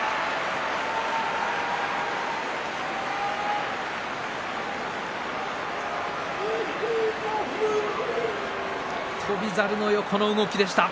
拍手翔猿の横の動きでした。